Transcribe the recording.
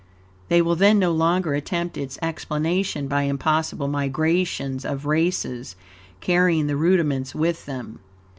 They will then no longer attempt its explanation by impossible migrations of races, carrying the rudiments with them.